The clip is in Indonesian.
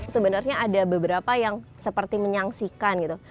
sebenarnya ada beberapa yang seperti menyaksikan gitu